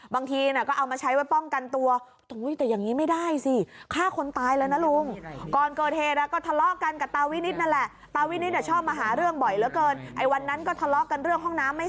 บางทีเนี่ยก็เอามาใช้ไว้ป้องกันตัวโอ้ยแต่อย่างงี้ไม่ได้สิฆ่าคนตายแล้วนะลุง